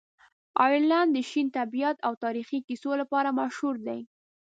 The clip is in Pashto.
آیرلنډ د شین طبیعت او تاریخي کیسو لپاره مشهوره دی.